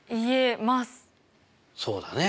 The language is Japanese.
そうだね。